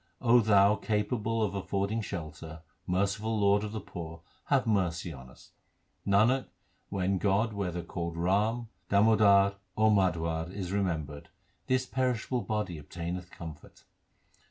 O Thou, capable of affording shelter, merciful Lord of the poor, have mercy on us. Nanak, when God whether called Ram, Damodar, or Madhwa is remembered, this perishable body obtaineth comfort.